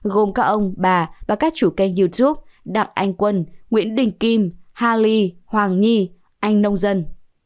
gồm các ông bà và các chủ kênh youtube đặng anh quân nguyễn đình kim ha ly hoàng nhi anh nông dân